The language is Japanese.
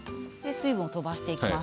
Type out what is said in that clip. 水分を飛ばしていきます。